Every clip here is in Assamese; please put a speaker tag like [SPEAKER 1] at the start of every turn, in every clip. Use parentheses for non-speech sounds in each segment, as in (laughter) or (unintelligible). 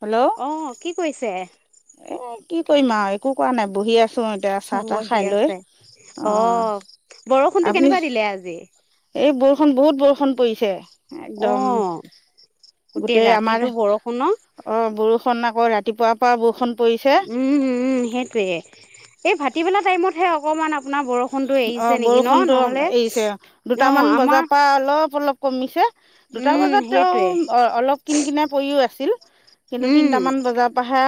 [SPEAKER 1] হেল্ল'।
[SPEAKER 2] অঁ' কি কৰিছে।
[SPEAKER 1] এ' কি কৰিম আৰু একো কৰা নাই বহি আছো এতিয়া। চাহ তাহ খাই
[SPEAKER 2] বহি
[SPEAKER 1] লৈ
[SPEAKER 2] আছে। অ' বৰষুণটো
[SPEAKER 1] আপুনি
[SPEAKER 2] কেনেকুৱা দিলে আজি?
[SPEAKER 1] এই বৰষুণ বহুত বৰষুণ পৰিছে।
[SPEAKER 2] অ
[SPEAKER 1] একদম গোটেই আমাৰ
[SPEAKER 2] ৰাতিটো বৰষুণ ন
[SPEAKER 1] অ', বৰষুণ আকৌ ৰাতিপুৱাৰ পৰা বৰষুণ পৰিছে।
[SPEAKER 2] উম', উম, সেইটয়ে এই ভাটিবেলা টাইমতহে অকণমান আপোনাৰ বৰণ
[SPEAKER 1] অ', বৰষুণতো এৰিছে।
[SPEAKER 2] অ
[SPEAKER 1] দুটামান
[SPEAKER 2] আমাৰ
[SPEAKER 1] বজাৰ পৰা অলপ অলপ কমিছে দুটা
[SPEAKER 2] উম
[SPEAKER 1] বজাত তেওঁ
[SPEAKER 2] সেইটোয়ে
[SPEAKER 1] অলপ কিনকিনাই পৰিও আছিল। কিন্তু
[SPEAKER 2] উম
[SPEAKER 1] তিনটামান বজাৰ পৰা হে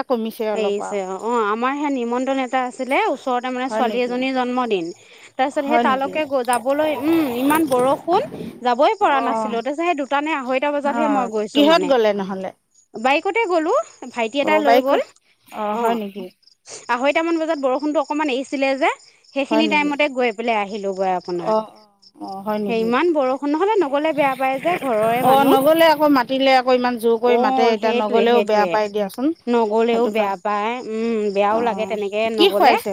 [SPEAKER 2] এৰিছে অ', অ, আমাৰ হেয়া নিমন্ত্ৰণ এটা আছিলে। ওচৰতে মানে
[SPEAKER 1] হয়
[SPEAKER 2] ছোৱালী
[SPEAKER 1] নেকি
[SPEAKER 2] এজনীৰ জন্মদিন। তাৰপিছত সেই
[SPEAKER 1] হয় নেকি
[SPEAKER 2] তালৈকে গ যাবলৈ উম, ইমান বৰষুণ। যাবই
[SPEAKER 1] অ
[SPEAKER 2] পৰা নাছিলো তাচে হে দুটা নে আঢৈটা
[SPEAKER 1] অ
[SPEAKER 2] বজাতহে মই গৈছ
[SPEAKER 1] কিহত গ'লে নহ'লে?
[SPEAKER 2] বাইকতে গ'লো ভাইটি
[SPEAKER 1] অ
[SPEAKER 2] এটা লৈ
[SPEAKER 1] বাইক
[SPEAKER 2] গ'ল।
[SPEAKER 1] অ', হয় নেকি?
[SPEAKER 2] আঢৈটামান বজাত বৰষুণতো অকণমান এৰিছিলে যে
[SPEAKER 1] হয়
[SPEAKER 2] সেইখিনি
[SPEAKER 1] নেকি
[SPEAKER 2] টাইমতে গৈ পেলাই আহিলো গৈ অ, পোন
[SPEAKER 1] অঁ অঁ অঁ হয় নেকি
[SPEAKER 2] ইমান বৰষুণ নহলে নগলে বেয়া পায় যে ঘৰৰে
[SPEAKER 1] অঁ
[SPEAKER 2] মানুহ।
[SPEAKER 1] নগ'লে আকৌ মাতিলে আকৌ ইমান জোৰ কৰি মাতে
[SPEAKER 2] অ',
[SPEAKER 1] এতিয়া
[SPEAKER 2] হেটোৱে
[SPEAKER 1] নগ'লেও বেয়া
[SPEAKER 2] হেটোযৱে
[SPEAKER 1] পাই দিয়াচোন
[SPEAKER 2] নগলেও
[SPEAKER 1] সেইটো
[SPEAKER 2] বেয়া
[SPEAKER 1] কাৰণে
[SPEAKER 2] পায়। উম', বেয়াও লাগে।
[SPEAKER 1] অঁ
[SPEAKER 2] তেনেকে
[SPEAKER 1] কি
[SPEAKER 2] নগলে
[SPEAKER 1] খুৱাইছে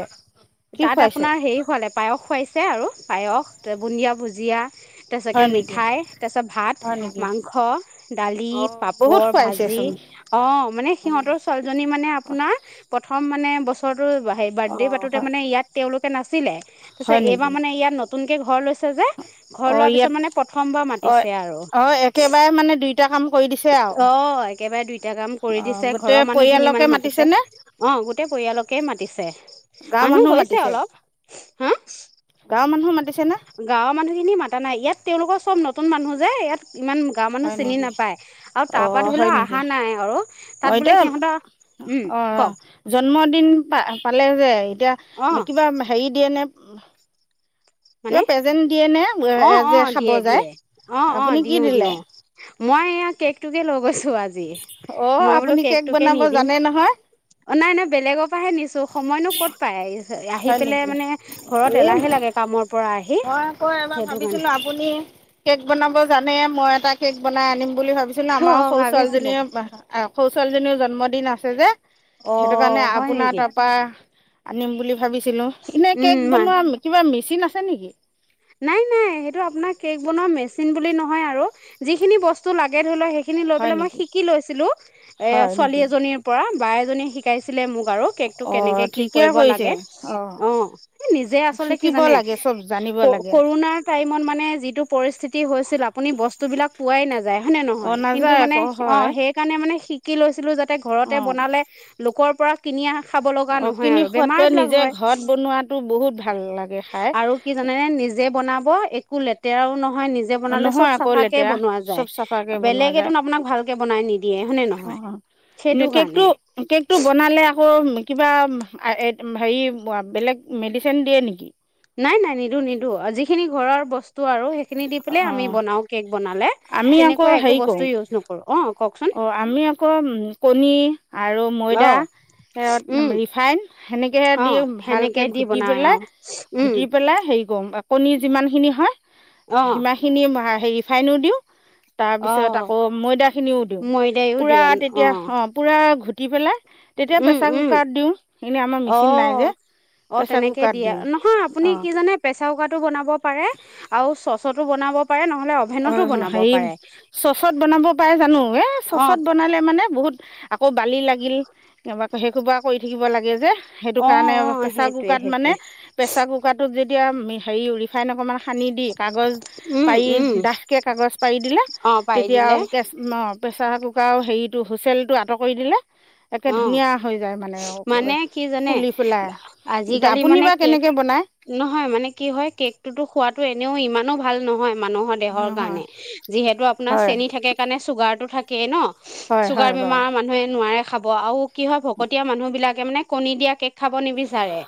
[SPEAKER 1] কি
[SPEAKER 2] তাত
[SPEAKER 1] খুৱাইছে
[SPEAKER 2] আপোনাৰ হেৰি খোৱালে পায়স খুৱাইছে আৰু পায়স বুন্দিয়া, ভুজিয়া তাছকে
[SPEAKER 1] হয় নেকি
[SPEAKER 2] মিঠাই, তাৰপিছত ভাত
[SPEAKER 1] হয় নেকি
[SPEAKER 2] মাংস, দালি,
[SPEAKER 1] অঁ বহুত
[SPEAKER 2] পাপৰ, ভাজি,
[SPEAKER 1] খুৱাইছেচোন
[SPEAKER 2] অ', মানে সিহঁতৰ ছোৱালীজনী মানে আপোনাৰ প্ৰথম মানে বছ (unintelligible)
[SPEAKER 1] অঁ
[SPEAKER 2] বাৰ্থডে' পাৰোঁতে
[SPEAKER 1] হয়
[SPEAKER 2] মানে ইয়াত তেওঁলোকে নাছিলে। তাৰপিছ
[SPEAKER 1] হয় নেকি
[SPEAKER 2] এইবাৰ মানে ইয়াত নত নতুনকৈ ঘৰ লৈছে যে, ঘৰ
[SPEAKER 1] অঁ
[SPEAKER 2] লোৱাৰ পিছত
[SPEAKER 1] ইয়াত
[SPEAKER 2] মানে প্ৰথমবাৰ
[SPEAKER 1] অঁ
[SPEAKER 2] মাতিছে আৰু অ,
[SPEAKER 1] অঁ একেবাৰে মানে দুইটা কাম কৰি দিছে আৰু
[SPEAKER 2] একেবাৰে দুইটা কাম কৰি
[SPEAKER 1] অঁ
[SPEAKER 2] দিছে।
[SPEAKER 1] গোটেই
[SPEAKER 2] ঘৰৰ মানুহখিনি
[SPEAKER 1] পৰিয়ালকে
[SPEAKER 2] মানে মাতিছে।
[SPEAKER 1] মাতিছেনে
[SPEAKER 2] অ', গোটেই পৰিয়ালকেই মাতিছে।
[SPEAKER 1] গাঁৱৰ
[SPEAKER 2] মানুহ
[SPEAKER 1] মানুহো
[SPEAKER 2] হৈছে
[SPEAKER 1] মাতিছে।
[SPEAKER 2] অলপ হা
[SPEAKER 1] গাঁৱৰ মানুহো মাতিছে নে?
[SPEAKER 2] গাঁৱৰ মানুহখিনি মাতা নাই। ইয়াত তেওঁলোকৰ চব নতুন মানুহ যে ইয়াত ইমান গাঁৱৰ মানুহ
[SPEAKER 1] হয়
[SPEAKER 2] চিনি
[SPEAKER 1] নেকি
[SPEAKER 2] নাপায় আৰু তাৰ পৰা ধৰিলেও অহা নাই আৰু
[SPEAKER 1] অ',
[SPEAKER 2] তাত বোলে
[SPEAKER 1] এতিয়া
[SPEAKER 2] সিহঁতৰ উম
[SPEAKER 1] অ, অ,
[SPEAKER 2] কওক
[SPEAKER 1] জন্মদিন পা পালে যে, এতিয়া
[SPEAKER 2] অ
[SPEAKER 1] কিবা হেৰি দিয়ে নে? কিবা
[SPEAKER 2] মানে
[SPEAKER 1] প্ৰেজেন্ট দিয়ে নে?
[SPEAKER 2] অ', অ,
[SPEAKER 1] যে খাব
[SPEAKER 2] দিয়ে।
[SPEAKER 1] যায়
[SPEAKER 2] দিয়ে। অ, অ,
[SPEAKER 1] আপুনি কি
[SPEAKER 2] দিওঁ।
[SPEAKER 1] দিলে
[SPEAKER 2] দিওঁ। মই এয়া কেকটোকে লৈ গৈছো। আজি
[SPEAKER 1] অঁ
[SPEAKER 2] মই বোলো
[SPEAKER 1] আপুনি কেক
[SPEAKER 2] কেকটোকে
[SPEAKER 1] বনাব
[SPEAKER 2] নিদিম
[SPEAKER 1] জানে নহয়
[SPEAKER 2] অ', নাই। নাই। বেলেগৰ পৰাহে নিছো সময়নো ক'ত পাই। ইচ আহি
[SPEAKER 1] হয়
[SPEAKER 2] পেলাই
[SPEAKER 1] নেকি
[SPEAKER 2] মানে ঘৰত
[SPEAKER 1] এই
[SPEAKER 2] এলাহে লাগে কামৰ পৰা আহি।
[SPEAKER 1] মই আকৌ এবাৰ
[SPEAKER 2] সেইটো কাৰণে
[SPEAKER 1] ভাবিছিলো। আপুনি কেক বনাব জানে মই এটা কেক বনাই আনিম বুলি ভাবিছিলোঁ।
[SPEAKER 2] অ
[SPEAKER 1] আমাৰো সৰু
[SPEAKER 2] ভাবিছিলে
[SPEAKER 1] ছোৱালীজনীৰ সৰু ছোৱালীজনীৰও জন্মদিন আছে যে,
[SPEAKER 2] অ
[SPEAKER 1] সেইটো কাৰণে
[SPEAKER 2] হয়
[SPEAKER 1] আপোনাৰ
[SPEAKER 2] নেকি
[SPEAKER 1] তা পৰা আনিম বুলি ভাবিছিলোঁ। এনেই
[SPEAKER 2] উম
[SPEAKER 1] কেক
[SPEAKER 2] মান
[SPEAKER 1] বনোৱা কিবা মেচিন আছে নেকি?
[SPEAKER 2] নাই। নাই। সেইটো আপোনাৰ কেক বনোৱা মেচিন বুলি নহয় আৰু যিখিনি বস্তু লাগে। ধৰি ল হে হে খিনি লৈ
[SPEAKER 1] হয়
[SPEAKER 2] পেলাই মই
[SPEAKER 1] নেকি
[SPEAKER 2] শিকি লৈছিলো। এ,
[SPEAKER 1] হয়
[SPEAKER 2] ছোৱালী
[SPEAKER 1] নেকি
[SPEAKER 2] এজনীৰ পৰা বাই এজনীয়ে শিকাইছিলে মোক আৰু কেক তটো
[SPEAKER 1] অ
[SPEAKER 2] কেনেকে কি
[SPEAKER 1] ঠিকে
[SPEAKER 2] কৰিব
[SPEAKER 1] কৰিছে
[SPEAKER 2] লাগে। অ, নিজে আচলতে কি
[SPEAKER 1] শিকিব
[SPEAKER 2] জানে?
[SPEAKER 1] লাগে চব জানিব
[SPEAKER 2] ক
[SPEAKER 1] লাগে
[SPEAKER 2] কৰোণাৰ টাইমত মানে যিটো পৰিস্থিতি হৈছিল। আপুনি বস্তুবিলাক পোৱাই নাযায় হয়নে
[SPEAKER 1] অ
[SPEAKER 2] নহয়? কিন্তু
[SPEAKER 1] নাযায়
[SPEAKER 2] মানে
[SPEAKER 1] আকৌ
[SPEAKER 2] অ,
[SPEAKER 1] হয়
[SPEAKER 2] সেইকাৰণে মানে শিকি লৈছিলো। যাত তে ঘৰতে
[SPEAKER 1] অ
[SPEAKER 2] বনালে, লোকৰ পৰা কিনি আহা খাব লগা
[SPEAKER 1] অ
[SPEAKER 2] নহয়
[SPEAKER 1] কিনি
[SPEAKER 2] আৰু বেমাৰ
[SPEAKER 1] খোৱাতকৈ
[SPEAKER 2] বিলাক
[SPEAKER 1] নিজে
[SPEAKER 2] হয়।
[SPEAKER 1] ঘৰত বনোৱাটো বহুত ভাল লাগে খাই
[SPEAKER 2] আৰু কি জনে নিজে বনাব, একো লেতেৰাও নহয় নিজে জে বনালে চব
[SPEAKER 1] নহয় আকৌ
[SPEAKER 2] চাফাকে
[SPEAKER 1] লেতেৰা
[SPEAKER 2] বনোৱা যায়।
[SPEAKER 1] চব চাফাকে বনোৱা
[SPEAKER 2] বেলেগেতো
[SPEAKER 1] যায়
[SPEAKER 2] আপোনাক ভালকে বনাই নিদিয়ে হয়নে
[SPEAKER 1] অ
[SPEAKER 2] নহয়? সেইটো
[SPEAKER 1] এনে কেকটো
[SPEAKER 2] কাৰণে
[SPEAKER 1] কেকটো বনালে আকৌ কিবা আ হেৰি বেলেগ মেডিচিন দিয়ে নেকি?
[SPEAKER 2] নাই নাই নিদো নিদো। যিখিনি ঘৰৰ বস্তু আৰু সে ই খিনি দি পেলাই
[SPEAKER 1] অ
[SPEAKER 2] আমি বনাও কেক বনালে,
[SPEAKER 1] আমি আকৌ
[SPEAKER 2] তেনেকুৱা একো
[SPEAKER 1] হেৰি কৰোঁ
[SPEAKER 2] বস্তু ইউজ নকৰো। অ কওকচোন?
[SPEAKER 1] অ আমি আকৌ কণী আৰু
[SPEAKER 2] অ
[SPEAKER 1] ময়দা, সেয়ত
[SPEAKER 2] উম
[SPEAKER 1] ৰিফাইন, সেনেকে
[SPEAKER 2] অ
[SPEAKER 1] দিওঁ
[SPEAKER 2] সেনেকে
[SPEAKER 1] ভালকে
[SPEAKER 2] দি
[SPEAKER 1] ঘুটি
[SPEAKER 2] বনাই অ
[SPEAKER 1] পেলাই,
[SPEAKER 2] উম
[SPEAKER 1] ঘুটি পেলাই হেৰি ক‌ওং বা কণী যিমান খিনি হয়,
[SPEAKER 2] অ
[SPEAKER 1] সিমাখিনি হেৰি ৰিফাইনো দিওঁ।
[SPEAKER 2] অ
[SPEAKER 1] তাৰপিছত আকৌ ময়দাখিনিও দিওঁ।
[SPEAKER 2] ময়দায়ো দিয়
[SPEAKER 1] পূৰা
[SPEAKER 2] অ
[SPEAKER 1] তেতিয়া অঁ পূৰা ঘুটি পেলাই, তেতিয়া
[SPEAKER 2] উম
[SPEAKER 1] প্ৰেছাৰ
[SPEAKER 2] উম
[SPEAKER 1] কুকাৰত দিওঁ। এনেই আমাৰ মেচিন নাই
[SPEAKER 2] অ
[SPEAKER 1] যে।
[SPEAKER 2] অ
[SPEAKER 1] প্ৰেছাৰ
[SPEAKER 2] তেনেকে
[SPEAKER 1] কুকাৰত
[SPEAKER 2] দিয়ে,
[SPEAKER 1] দিওঁ
[SPEAKER 2] নহয় আপুনি
[SPEAKER 1] অঁ
[SPEAKER 2] কি জানে! প্ৰেচাৰ কুকাৰটো বনাব পাৰে। আৰু চ'চতো বনাব পাৰে। ন
[SPEAKER 1] অ হেৰি, চচত বনাব পাৰে জানো? এ
[SPEAKER 2] অ
[SPEAKER 1] চচত বনালে মানে বহুত আকৌ বালি লাগিল। সেইসোপা কৰি থাকিব লাগে যে। সেইটো
[SPEAKER 2] অ
[SPEAKER 1] কাৰণে
[SPEAKER 2] অ
[SPEAKER 1] প্ৰেচাৰ
[SPEAKER 2] সেইটোৱে
[SPEAKER 1] কুকাৰত মানে,
[SPEAKER 2] সেইটোৱে
[SPEAKER 1] প্ৰেছাৰ কুকাৰটোত যেতিয়া হেৰি ৰিফাইন অকণমান সানি দি, কাগজ
[SPEAKER 2] উম
[SPEAKER 1] পাৰি
[SPEAKER 2] উম
[SPEAKER 1] দাঠ কে কাগজ পাৰি দিলে,
[SPEAKER 2] অ পাৰি
[SPEAKER 1] তেতিয়া
[SPEAKER 2] দিলে
[SPEAKER 1] কেচ ম, প্ৰেছাৰ কুকাৰৰ হেৰিটো হুইচেলটো আঁতৰ কৰি দিলে, একে
[SPEAKER 2] অ
[SPEAKER 1] ধুনীয়া হৈ যায় মানে
[SPEAKER 2] মানে কি জানে
[SPEAKER 1] ফুলি পেলাই। এতিয়া
[SPEAKER 2] আজিকালি
[SPEAKER 1] আপুনি
[SPEAKER 2] মানে
[SPEAKER 1] বা
[SPEAKER 2] কেক
[SPEAKER 1] কেনেকে বনায়?
[SPEAKER 2] নহয় মানে কি হয়, কেকটোতো খোৱাতো এনেও ইমানো ভাল নহয় মানুহৰ দেহৰ
[SPEAKER 1] নহয়
[SPEAKER 2] কাৰণে। যিহেতু আপোনাৰ
[SPEAKER 1] হয়
[SPEAKER 2] চেনি থাকে। কাৰণে চুগাৰটো থাকেই ন,
[SPEAKER 1] হয়
[SPEAKER 2] চুগাৰ
[SPEAKER 1] হয়
[SPEAKER 2] বেমাৰ
[SPEAKER 1] বাৰু
[SPEAKER 2] মানুহে নোৱাৰে খাব। আৰু, কি হয় ভকতীয়া মানুহ বিলাকে মানে কণী দিয়া কেক খাব নিবিচাৰে।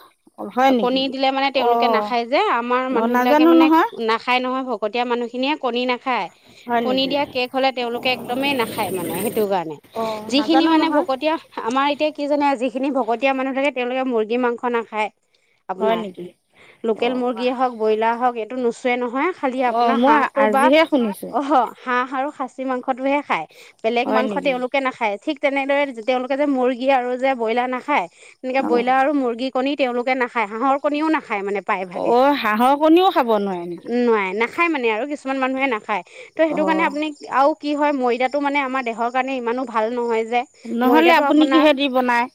[SPEAKER 1] হয়
[SPEAKER 2] কণী
[SPEAKER 1] নেকি
[SPEAKER 2] দিলে মানে তেওঁলোকে
[SPEAKER 1] অঁ
[SPEAKER 2] নাখায় যে। আমাৰ
[SPEAKER 1] অ',
[SPEAKER 2] মানুহ বিলাকে
[SPEAKER 1] নাজানো
[SPEAKER 2] মানে
[SPEAKER 1] নহয়,
[SPEAKER 2] নাখায় নহয় ভ কতীয়া মানুহখিনিয়ে কণী নাখায়।
[SPEAKER 1] হয়
[SPEAKER 2] কণী
[SPEAKER 1] নেকি?
[SPEAKER 2] দিয়া কেক হলে তেওঁলোকে একদমেই নাখায় মানে সেইটো কাৰণে।
[SPEAKER 1] অ',
[SPEAKER 2] যিখিনি
[SPEAKER 1] নাজানো
[SPEAKER 2] মানে ভ
[SPEAKER 1] নহয়,
[SPEAKER 2] তিয়া, আমাৰ এতিয়া কি জানে যিখিনি ভকতীয়া মানুহ থাকে, তেওঁলোকে মুৰ্গী মাংস নাখায়।
[SPEAKER 1] হয়
[SPEAKER 2] আপোনাৰ।
[SPEAKER 1] নেকি?
[SPEAKER 2] লোকেল মুৰ্গীয়ে
[SPEAKER 1] অ',
[SPEAKER 2] হওক, ব্ৰইলাৰ হওক, এইটো নোচোৱেই নহয়। খালি
[SPEAKER 1] অ',
[SPEAKER 2] আপোনাৰ
[SPEAKER 1] মই
[SPEAKER 2] হাঁহটো বা,
[SPEAKER 1] আজিহে শুনিছোঁ,
[SPEAKER 2] অহ হাঁহ আৰু খাচী মাংসটোহে খায়, বেলেগ
[SPEAKER 1] হয়
[SPEAKER 2] মাংস
[SPEAKER 1] নেকি?
[SPEAKER 2] তেওঁলোকে নাখায়। ঠিক তেনেদৰে তেওঁলোকে যে মুৰ্গী আৰু যে ব্ৰইলাৰ নাখায়, তেনেকে
[SPEAKER 1] অ',
[SPEAKER 2] ব্ৰইলাৰ আৰু মুৰ্গী কণী তেওঁলোকে নাখায়। হাঁহৰ কণীও নাখায় মানে প্ৰায় ভাগে।
[SPEAKER 1] অ', হাঁহৰ কণীও খাব নোৱাৰে নেকি?
[SPEAKER 2] নোৱাৰে না খায় মানে আৰু কিছুমান মানুহে নাখায়। ত সেইটো কাৰণে
[SPEAKER 1] অ',
[SPEAKER 2] আপুনি আৰু কি হয়, ময়দাটো মানে আমাৰ দেহৰ কাৰণে ইমানো ভাল নহয় যে।
[SPEAKER 1] নহ'লে
[SPEAKER 2] ময়দাটো
[SPEAKER 1] আপুনি
[SPEAKER 2] আপোনাৰ
[SPEAKER 1] কিহেদি বনায়?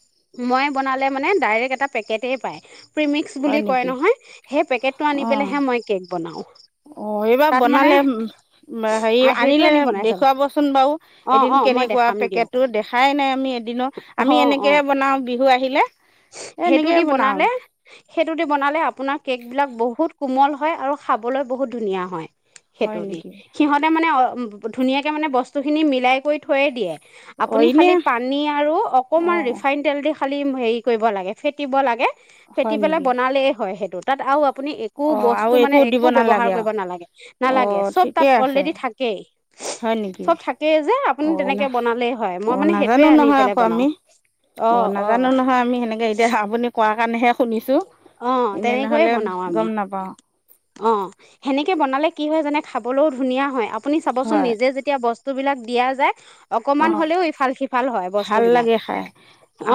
[SPEAKER 2] মই বনালে মানে ডাইৰেক্ট এটা পেকেটেই পায়। প্ৰিমিক্স
[SPEAKER 1] হয়
[SPEAKER 2] বুলি কয়
[SPEAKER 1] নেকি?
[SPEAKER 2] নহয়, সেই পেকেটতো আনি
[SPEAKER 1] অ',
[SPEAKER 2] পেলাইহে মই কেক বনাওঁ।
[SPEAKER 1] অ এইবাৰ
[SPEAKER 2] তাত মানে
[SPEAKER 1] বনালে হেৰি
[SPEAKER 2] সেইটো
[SPEAKER 1] আনিলে
[SPEAKER 2] আনি বনাই চাব
[SPEAKER 1] দেখুৱাবচোন বাৰু,
[SPEAKER 2] অ অ
[SPEAKER 1] এদিন
[SPEAKER 2] মই
[SPEAKER 1] কেনেকুৱা
[SPEAKER 2] দেখাম দিয়ক
[SPEAKER 1] পেকেটোত। দেখাই নাই আমি এদিনো। আমি
[SPEAKER 2] অ অ
[SPEAKER 1] এনেকেহে বনাওঁ বিহু আহিলে।
[SPEAKER 2] সেইটো
[SPEAKER 1] এনেকে
[SPEAKER 2] দি
[SPEAKER 1] বনাওঁ।
[SPEAKER 2] বনালে সেইটো দি বনালে আপোনাৰ কেক বিলাক বহুত কোমল হয়, আৰু খাবলৈ বহুত ধুনীয়া হয়। সেইটো
[SPEAKER 1] হয়
[SPEAKER 2] দি
[SPEAKER 1] নেকি?
[SPEAKER 2] সিহঁতে মানে অ ধুনীয়াকে মানে বস্তু খিনি মিলাই কৰি থৈয়ে দিয়ে।
[SPEAKER 1] অ',
[SPEAKER 2] আপুনি
[SPEAKER 1] এনে
[SPEAKER 2] খালি পানী আৰু অকমাণ
[SPEAKER 1] অ',
[SPEAKER 2] ৰিফাইন তেল দি খালি হেৰি কৰিব লাগে ফেটিব লাগে, ফেটি
[SPEAKER 1] হয়
[SPEAKER 2] পেলাই
[SPEAKER 1] নেকি?
[SPEAKER 2] বনালেই হয় সেইটোত তাত আৰু আপুনি একো
[SPEAKER 1] অ আৰু
[SPEAKER 2] বস্তু মানে
[SPEAKER 1] দিব
[SPEAKER 2] একো ব্যৱহাৰ
[SPEAKER 1] নালাগে আৰু
[SPEAKER 2] কৰিব নালাগে
[SPEAKER 1] অ
[SPEAKER 2] নালাগে চব তাত
[SPEAKER 1] ঠিকে আছে
[SPEAKER 2] অলৰেডি থাক
[SPEAKER 1] হয় নেকি
[SPEAKER 2] চব থাকেই যে আপুনি
[SPEAKER 1] অ
[SPEAKER 2] তেনেকে
[SPEAKER 1] না
[SPEAKER 2] বনালেই হয়
[SPEAKER 1] অ
[SPEAKER 2] মই মানে সেই
[SPEAKER 1] নাজানো
[SPEAKER 2] সেইটোয়ে আনি
[SPEAKER 1] নহয়
[SPEAKER 2] পেলাই
[SPEAKER 1] আকৌ
[SPEAKER 2] বনাও।
[SPEAKER 1] আমি
[SPEAKER 2] অ অ
[SPEAKER 1] নাজানো নহয় আমি সেনেকে এতিয়া আপুনি কোৱাৰ কাৰণেহে শুনিছোঁ
[SPEAKER 2] অ
[SPEAKER 1] এনে
[SPEAKER 2] তেনেকৈয়ে
[SPEAKER 1] নহ'লে
[SPEAKER 2] বনাও আমি
[SPEAKER 1] গম নাপাওঁ।
[SPEAKER 2] অ সেনেকে বনালে কি হয় জানে খাবলৈও ধুনীয়া হয় আপুনি চাবচোন
[SPEAKER 1] হয়
[SPEAKER 2] নিজে যেতিয়া বস্তু বস্তুবিলাক দিয়া যায়।
[SPEAKER 1] অ
[SPEAKER 2] অকমান হ'লেও ইফাল সিফাল হয় বস্তু
[SPEAKER 1] ভাল
[SPEAKER 2] বিলাক
[SPEAKER 1] লাগে খাই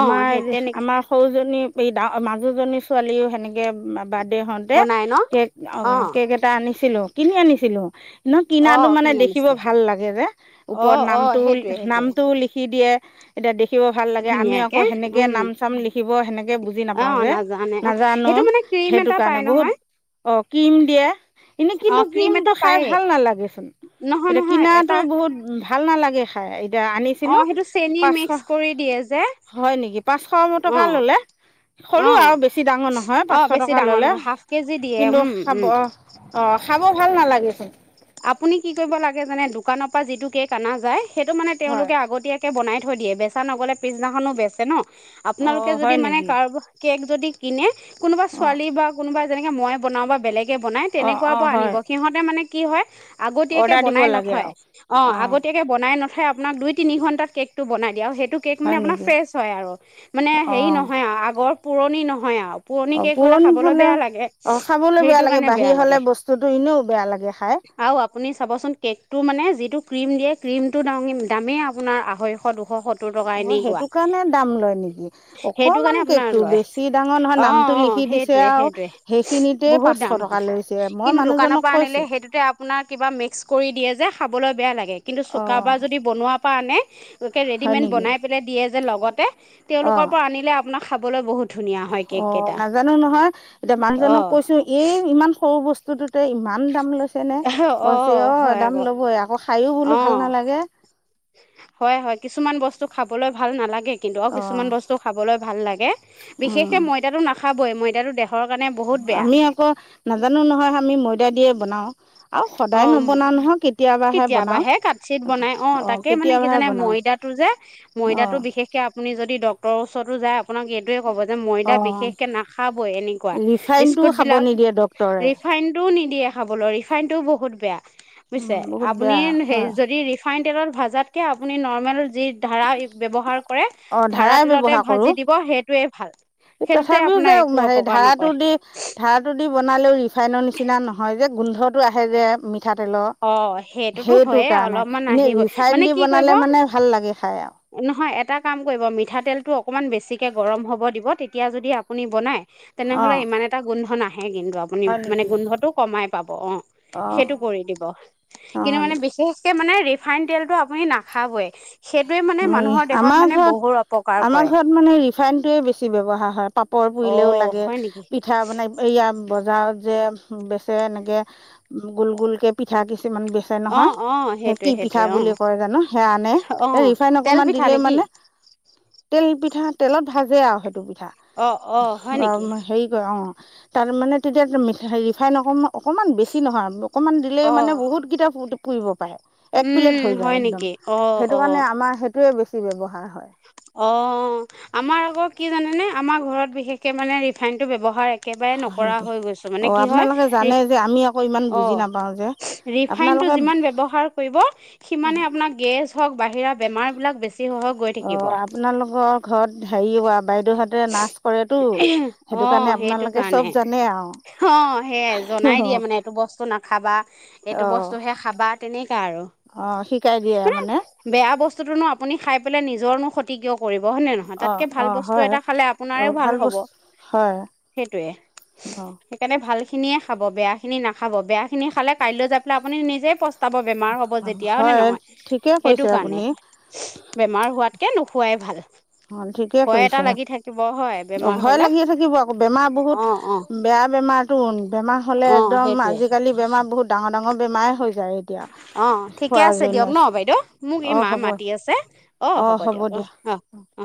[SPEAKER 2] অ সেই তেনেকে
[SPEAKER 1] আমাৰ সৰুজনী এই ডাৰ মাজুজনী ছোৱালীও সেনেকে বা বাৰ্থডে হওঁতে
[SPEAKER 2] বনাই ন
[SPEAKER 1] কেক অ কেক এটা আনিছিলো কিনি আনিছিলো ন কিনাটো
[SPEAKER 2] অ'
[SPEAKER 1] মানে
[SPEAKER 2] কিনি
[SPEAKER 1] দেখিব
[SPEAKER 2] আনিছিলে
[SPEAKER 1] ভাল লাগে যে ওপৰত
[SPEAKER 2] অ'
[SPEAKER 1] নাম
[SPEAKER 2] অ' সেইটোৱে সেইটোৱে
[SPEAKER 1] টো লিখি দিয়ে এতিয়া দেখিব ভাল লাগে আমি আকৌ
[SPEAKER 2] ধুনীয়াকে
[SPEAKER 1] সেনেকে
[SPEAKER 2] উম
[SPEAKER 1] নাম চাম লিখিব সেনেকে বুজি নাপাওঁ
[SPEAKER 2] অ'
[SPEAKER 1] যে
[SPEAKER 2] নাজানে অ'
[SPEAKER 1] নাজানো।
[SPEAKER 2] সেইটো মানে ক্ৰীম
[SPEAKER 1] সেইটো
[SPEAKER 2] এটা পায়
[SPEAKER 1] কাৰণে বহুত,
[SPEAKER 2] নহয়
[SPEAKER 1] অ' কিৰিম দিয়ে। এনে কিন্তু
[SPEAKER 2] অ' ক্ৰীম
[SPEAKER 1] ক্ৰিমটো
[SPEAKER 2] এটা
[SPEAKER 1] খাই
[SPEAKER 2] পায়েই
[SPEAKER 1] ভাল নালাগেচোন,
[SPEAKER 2] নহয়
[SPEAKER 1] এতিয়া
[SPEAKER 2] নহয়
[SPEAKER 1] কিনাটো
[SPEAKER 2] এটা
[SPEAKER 1] বহুত ভাল নালাগে। এতিয়া আনিছিলোঁ,
[SPEAKER 2] অ' সেইটো চেনি
[SPEAKER 1] পাচশ
[SPEAKER 2] মিক্স কৰি দিয়ে যে
[SPEAKER 1] হয় নেকি? পাঁচশ টকা
[SPEAKER 2] অ'
[SPEAKER 1] ল'লে। সৰু
[SPEAKER 2] অ'
[SPEAKER 1] আৰু বেছি ডাঙৰ নহয়,
[SPEAKER 2] অ'
[SPEAKER 1] পাঁচশ
[SPEAKER 2] বেছি
[SPEAKER 1] টকা
[SPEAKER 2] ডাঙৰ
[SPEAKER 1] ল'লে
[SPEAKER 2] নহয় হাফ কেজি দিয়ে
[SPEAKER 1] কিন্তু
[SPEAKER 2] উম উম
[SPEAKER 1] খাব অ' খাব ভাল নালাগে চোন।
[SPEAKER 2] আপুনি কি কৰিব লাগে জানে, দোকানৰ পৰা যিটো কেক অনা যায়, সেইটো মানে
[SPEAKER 1] হয়
[SPEAKER 2] তেওঁলোকে আগতীয়াকৈ। বনাই থৈ দিয়ে, বেচা নগ'লে পিছদিনাখনো বেচে ন, আপোনালোকে
[SPEAKER 1] অঁ
[SPEAKER 2] যদি
[SPEAKER 1] হয়
[SPEAKER 2] মানে
[SPEAKER 1] নেকি
[SPEAKER 2] কাৰোবাৰ। কেক যদি কিনে, কোনোবা
[SPEAKER 1] অঁ
[SPEAKER 2] ছোৱালী বা কোনোবা যেনেকে মই বনাও বা। কৈ বনাই
[SPEAKER 1] অঁ
[SPEAKER 2] তেনেকুৱা
[SPEAKER 1] অঁ
[SPEAKER 2] বোৰ
[SPEAKER 1] হয়
[SPEAKER 2] আনিব, সিহঁতে মানে কি হয়। আগতীয়াকে
[SPEAKER 1] অৰ্ডাৰ দিব
[SPEAKER 2] বনাই
[SPEAKER 1] লাগে
[SPEAKER 2] নথয়,
[SPEAKER 1] আৰু
[SPEAKER 2] অ' আগতীয়া
[SPEAKER 1] অঁ
[SPEAKER 2] আগতীয়াকৈ বনাই নথয়, আপোনাক দুই তিনি ঘন্টাত কেকটো বনাই দিয়ে আৰু সেইটো কেক। কেক মানে
[SPEAKER 1] হয়
[SPEAKER 2] আপোনাৰ
[SPEAKER 1] নেকি
[SPEAKER 2] ফ্ৰেচ হয় আৰু মানে হেৰি
[SPEAKER 1] অঁ
[SPEAKER 2] নহয় আৰু আগৰ পুৰণি নহয় আও পুৰণি কেক হ'লে খাবলৈ বেয়া লাগে, সেইটো কাৰণে বেয়া লাগে।
[SPEAKER 1] সেইটো এনেও বেয়া লাগে খাই।
[SPEAKER 2] আৰু আপুনি চাবচোন, কেকটো মানে যিটো ক্ৰীম দিয়ে, ক্ৰীমটো দ দামেই আপোনাৰ আঢ়ৈশ দুশ শত্তৰ। সত্তৰ টকা
[SPEAKER 1] অঁ
[SPEAKER 2] এনেকোৱা,
[SPEAKER 1] সেইটো কাৰণে দাম লয় নেকি
[SPEAKER 2] সেইটো
[SPEAKER 1] অকণমান
[SPEAKER 2] কাৰণে আপোনাৰ
[SPEAKER 1] কেকটো
[SPEAKER 2] লয়,
[SPEAKER 1] বেছি ডাঙৰ নহয়
[SPEAKER 2] অ'
[SPEAKER 1] নামটো
[SPEAKER 2] অ' সেই।
[SPEAKER 1] লিখি দিছে
[SPEAKER 2] সেইটোয়ে
[SPEAKER 1] আৰু
[SPEAKER 2] সেইটোয়ে
[SPEAKER 1] সেইখিনিতে
[SPEAKER 2] বহুত
[SPEAKER 1] পাঁচশ
[SPEAKER 2] দাম
[SPEAKER 1] টকা
[SPEAKER 2] হয়
[SPEAKER 1] লৈছে মই
[SPEAKER 2] কিন্তু দোকানৰ
[SPEAKER 1] মানুহজনক
[SPEAKER 2] পৰা আনিলে
[SPEAKER 1] কৈছোঁ
[SPEAKER 2] সেইটোতে আপুনি। আপোনাৰ কিবা মিক্স কৰি দিয়ে যে খাবলৈ বেয়া লাগে কিন্তু
[SPEAKER 1] অঁ
[SPEAKER 2] চুকাবাৰ যদি বনোৱাৰ পৰা আনে। লোকে
[SPEAKER 1] হয়
[SPEAKER 2] ৰেডিমেড
[SPEAKER 1] নেকি
[SPEAKER 2] বনাই পেলাই দিয়ে যে লগতে,
[SPEAKER 1] অ
[SPEAKER 2] তেওঁলোকৰ পৰা আনিলে আপোনাক খাবলৈ বহুত ধুনীয়া হয় কেক
[SPEAKER 1] অ'
[SPEAKER 2] কেইটা
[SPEAKER 1] নাজানো নহয়, এতিয়া মানুহজনক
[SPEAKER 2] অঁ
[SPEAKER 1] কৈছো, এই ইমান সৰু বস্তু। বস্তুটোতে ইমান দাম লৈছেনে? কইছে
[SPEAKER 2] অঁ
[SPEAKER 1] অ'
[SPEAKER 2] হয়
[SPEAKER 1] দাম
[SPEAKER 2] আকৌ
[SPEAKER 1] ল'বই আকৌ খায়ো বোলো ভাল
[SPEAKER 2] অঁ
[SPEAKER 1] নালাগে।
[SPEAKER 2] হয় হয়, কিছুমান বস্তু খাবলৈ ভাল নালাগেই কিন্তু আৰু
[SPEAKER 1] অ
[SPEAKER 2] কিছুমান বস্তু খাবলৈ ভাল লাগে,
[SPEAKER 1] উম
[SPEAKER 2] বিশেষকৈ ময়দাটো নাখাবই ময়দাটো দেহৰ কাৰণে বহুত। বেয়া
[SPEAKER 1] আমি আকৌ নাজানো নহয়, আমি ময়দা দিয়ে বনাও। আৰু
[SPEAKER 2] অ
[SPEAKER 1] সদায় নবনাও নহয়, কেতিয়াবাহে বনাও, অ' কেতিয়াবাহে বনাও।
[SPEAKER 2] টোযে, ময়দাটো বিশেষকে আপুনি যদি ডক্টৰ ওচৰতো যায়। আপোনাক এইটোৱে ক'ব যে, ময়দা
[SPEAKER 1] অ
[SPEAKER 2] বিশেষকে নাখাবই, এনেকুৱা
[SPEAKER 1] ৰিফাইনটোও
[SPEAKER 2] বিস্কুট
[SPEAKER 1] খাব
[SPEAKER 2] বিলাক।
[SPEAKER 1] নিদিয়ে ডক্তৰে
[SPEAKER 2] ৰিফাইনটো নিদিয়ে খাবলৈ, ৰিফাইনটো বহুত বেয়া।
[SPEAKER 1] উম
[SPEAKER 2] বুজিছে,
[SPEAKER 1] বহুত
[SPEAKER 2] আপুনি
[SPEAKER 1] বেয়া
[SPEAKER 2] সেই
[SPEAKER 1] হয়
[SPEAKER 2] যদি ৰিফাইন তেলত ভজাতকৈ, আপুনি নৰ্মেল যি। ধাৰা ব্যৱহাৰ কৰে,
[SPEAKER 1] অ
[SPEAKER 2] ধাৰা
[SPEAKER 1] ধাৰাই
[SPEAKER 2] তেলতে
[SPEAKER 1] ব্যৱহাৰ কৰোঁ
[SPEAKER 2] ভাজি দিব সেইটোৱে ভাল। সেইটোতে
[SPEAKER 1] তথাপিও
[SPEAKER 2] আপোনাৰ
[SPEAKER 1] যে
[SPEAKER 2] একো
[SPEAKER 1] উম
[SPEAKER 2] অপকাৰ
[SPEAKER 1] ধাৰাটো
[SPEAKER 2] নকৰে
[SPEAKER 1] দি- ধাৰাটো দি বনালেও, ৰিফাইনৰ নিচিনা নহয় যে গোন্ধটো আহে যে মি- মিঠাতেলৰ,
[SPEAKER 2] অ সেইটোতো
[SPEAKER 1] সেইটো
[SPEAKER 2] হয়ে
[SPEAKER 1] কাৰণে
[SPEAKER 2] অলপমান
[SPEAKER 1] এনে
[SPEAKER 2] আহিবই মানে
[SPEAKER 1] ৰিফাইন দি
[SPEAKER 2] কি কৰিব
[SPEAKER 1] বনালে মানে ভাল লাগে খাই আও।
[SPEAKER 2] নহয়, এটা কাম কৰিব মিঠাতেলটো অকনমান বেছিকে গৰম হ'ব দিব, তেতিয়া যদি আপুনি বনাই- তেনেহ'লে
[SPEAKER 1] অঁ
[SPEAKER 2] ইমান এটা গোন্ধ নাহে কিন্তু আ- পুনি
[SPEAKER 1] হয়
[SPEAKER 2] মানে
[SPEAKER 1] নেকি?
[SPEAKER 2] গোন্ধটো কমাই পাব, অ'
[SPEAKER 1] অঁ
[SPEAKER 2] সেইটো কৰি দিব। কিন্তু
[SPEAKER 1] অঁ
[SPEAKER 2] মানে- বিশেষকে মানে ৰিফাইন তেলটো আপুনি নাখাবই। সেইটোৱে মানে মানুহৰ দেহত মানে বহু অপকাৰ কৰে।
[SPEAKER 1] মোৰ মানে ৰিফাইনটোৱে বেছি ব্যৱহাৰ হয়, পাপৰ
[SPEAKER 2] অ
[SPEAKER 1] পুৰিলেও লাগে
[SPEAKER 2] হয় নেকি
[SPEAKER 1] পিঠ- ঠা বনাই, এইয়া বজাৰত যে বেচে এনেকে- গোল গোল কে পিঠা কিছুমান বেচে
[SPEAKER 2] অ
[SPEAKER 1] নহয়,
[SPEAKER 2] অ
[SPEAKER 1] সেই
[SPEAKER 2] সেইটোৱে
[SPEAKER 1] কি পিঠা
[SPEAKER 2] সেইটোৱে অ
[SPEAKER 1] বুলি কয় জানো সেয়া আনে।
[SPEAKER 2] অ
[SPEAKER 1] এই ৰিফাইন
[SPEAKER 2] তেল
[SPEAKER 1] অকমান
[SPEAKER 2] পিঠা
[SPEAKER 1] দিলেই
[SPEAKER 2] নেকি
[SPEAKER 1] মানে- তেল পিঠা, তেলত ভাজে আৰু সেইটো পিঠা,
[SPEAKER 2] অ অ হয় নেকি
[SPEAKER 1] হেৰি কৰে অ'। তাৰ মানে, তেতিয়া মিঠা ৰিফাইন অকণমান, অকণমান বেছি নহয়, অকণমান দিলেই
[SPEAKER 2] অ
[SPEAKER 1] মানে বহুত কেইটা পো- পুৰিব পাৰে, এক প্লেট
[SPEAKER 2] উম
[SPEAKER 1] হৈ যায়
[SPEAKER 2] হয়
[SPEAKER 1] একদম,
[SPEAKER 2] নেকি অ
[SPEAKER 1] সেইটো
[SPEAKER 2] অ
[SPEAKER 1] কাৰণে আমাৰ সেইটোৱে বেছি ব্যৱহাৰ হয়।
[SPEAKER 2] অ', আমাৰ আকৌ কি জানেনে, আমাৰ ঘৰত বিশেষকে মানে ৰিফাইন টো ব্যৱহাৰ এক- কেবাৰে
[SPEAKER 1] হয়
[SPEAKER 2] নকৰা
[SPEAKER 1] নেকি
[SPEAKER 2] হৈ গৈছো, মানে
[SPEAKER 1] অঁ
[SPEAKER 2] কি হয়?
[SPEAKER 1] আপোনালোকে জানে
[SPEAKER 2] সেই
[SPEAKER 1] যে আমি আকৌ ইমান বুজি নাপাওঁ যে
[SPEAKER 2] অ' ৰিফাইনটো
[SPEAKER 1] আপোনালোকে
[SPEAKER 2] যিমান ব্যৱহাৰ কৰিব, সিমানে আপোনাক- গেছ হওক, বাহিৰা বেমাৰবিলাক বেছি হৈ হৈ গৈ থাকিব।
[SPEAKER 1] অঁ আপোনালোকৰ ঘৰত হৰি হোৱা বাইদেউহঁতে নাচ- কৰেতো সেইটো
[SPEAKER 2] অ
[SPEAKER 1] কাৰণে
[SPEAKER 2] সেইটো
[SPEAKER 1] আপোনালোকে চব
[SPEAKER 2] কাৰণে।
[SPEAKER 1] জানে
[SPEAKER 2] অ সেইয়াই
[SPEAKER 1] আৰু
[SPEAKER 2] জনাই
[SPEAKER 1] অঁ
[SPEAKER 2] দিয়ে মানে এইটো বস্তু না- খাবা এইটো বস্তুহে খাবা তেনেকাই আৰু।
[SPEAKER 1] অ শিকাই দিয়ে মানে।
[SPEAKER 2] বেয়া বস্তুটোনো আপুনি খাই পেলাই নিজৰনো ক্ষতি কিয় কৰিব হয়নে নহয়
[SPEAKER 1] অঁ
[SPEAKER 2] তাতকে ভাল
[SPEAKER 1] অঁ
[SPEAKER 2] বস্তু
[SPEAKER 1] হয়
[SPEAKER 2] এটা খালে আপো-
[SPEAKER 1] অ
[SPEAKER 2] নাৰে ভাল হ'ব
[SPEAKER 1] বস্তু হয়
[SPEAKER 2] সেইটোৱে।
[SPEAKER 1] অ
[SPEAKER 2] সেইকাৰণে ভাল খিনিয়ে খাব, বেয়া খিনি নাখাব বেয়া খিনি খালে কাইলৈ যাই পেলাই আপুনি নিজেই পচ- টাব বেমাৰ হ'ব যেতিয়া হয় নে নহয়
[SPEAKER 1] ঠিকে
[SPEAKER 2] সেইটো
[SPEAKER 1] কৰিছে
[SPEAKER 2] কাৰণে।
[SPEAKER 1] আপুনি
[SPEAKER 2] বেমাৰ হোৱাতকে নোখোৱাই ভাল।
[SPEAKER 1] অ, ঠিকে
[SPEAKER 2] ভয় এটা
[SPEAKER 1] কৰিছে
[SPEAKER 2] লাগি থাকিব হয়
[SPEAKER 1] অ
[SPEAKER 2] বেমাৰ
[SPEAKER 1] 'ভয়
[SPEAKER 2] হ'লে
[SPEAKER 1] লাগি থাকিব আকৌ বেমাৰ বহুত-
[SPEAKER 2] অ' অ'
[SPEAKER 1] বেয়া বেমাৰটো, বেমাৰ হ'লে
[SPEAKER 2] অ'
[SPEAKER 1] একদম
[SPEAKER 2] সেইটোৱে
[SPEAKER 1] আজিকালি বেমাৰ বহুত ডাঙৰ ডাঙৰ বেমাৰে হৈ যায়। এতিয়া
[SPEAKER 2] অ ঠিকে
[SPEAKER 1] খোৱাৰ
[SPEAKER 2] আছে
[SPEAKER 1] জন্য
[SPEAKER 2] দিয়ক ন বাইদেউ, মোক এই
[SPEAKER 1] অ
[SPEAKER 2] মা
[SPEAKER 1] হ'ব
[SPEAKER 2] মাতি আছে অ হ'ব দিয়ক অ' অ। অ